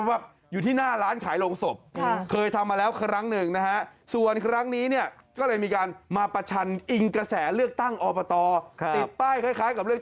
เผื่อบางคนอยากจะใช้บริการ